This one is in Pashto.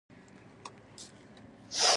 وسله سوله له منځه وړي